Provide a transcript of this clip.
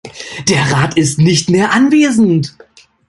Der Rat ist nicht mehr anwesend.